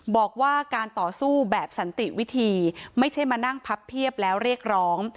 บอกว่าการต่อสู้แบบสันติวิธีไม่ใช่มานั่งพับเพียบแล้วเรียกร้อง